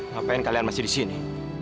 ngapain kalian masih di sini